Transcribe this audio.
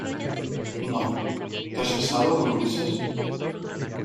no. ¿ te has besado con Ulises?